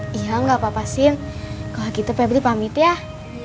sindi harus bantu bantu di rumah